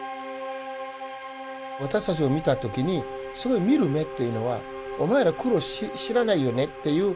私たちを見た時にすごい見る目っていうのはお前ら苦労知らないよねっていうちょっと顔だったんですよね。